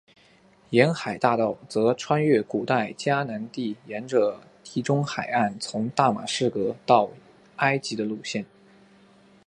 沿海大道则穿越古代迦南地沿着地中海岸从大马士革到埃及的路线。